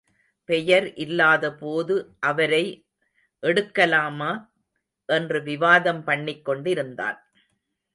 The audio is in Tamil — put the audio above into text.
பெயர் இல்லாதபோது அவரை எடுக்கலாமா? என்று விவாதம் பண்ணிக் கொண்டிருந்தான்.